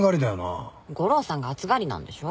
悟郎さんが暑がりなんでしょ。